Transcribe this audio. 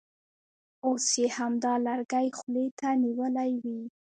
اوس یې همدا لرګی خولې ته نیولی وي.